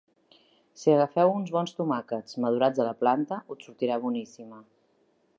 Si agafeu uns bons tomàquets madurats a la planta, us sortirà boníssima.